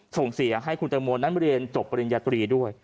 ส่งเสียให้คุณตังโมนั้นเรียนจบปริญญาตรีด้วย